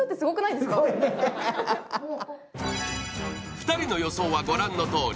２人の予想は御覧のとおり。